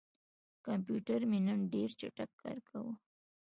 کمپیوټر مې نن ډېر چټک کار کاوه.